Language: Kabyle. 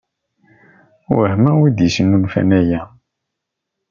Wehmeɣ wi d-yesnulfan aya.